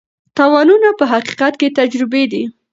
تاوانونه په حقیقت کې تجربې دي.